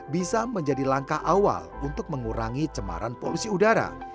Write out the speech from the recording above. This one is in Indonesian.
bisa menjadi langkah awal untuk mengurangi cemaran polusi udara